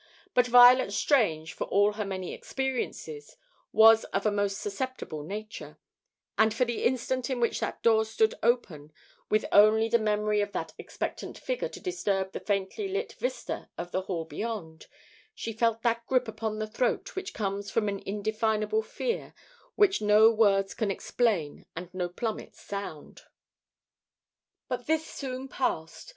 But Violet Strange, for all her many experiences, was of a most susceptible nature, and for the instant in which that door stood open, with only the memory of that expectant figure to disturb the faintly lit vista of the hall beyond, she felt that grip upon the throat which comes from an indefinable fear which no words can explain and no plummet sound. But this soon passed.